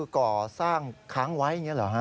ก่อสร้างค้างไว้อย่างนี้เหรอฮะ